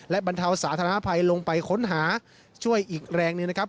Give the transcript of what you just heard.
และบรรเทาสาธารณภัยลงไปค้นหาช่วยอีกแรงหนึ่งนะครับ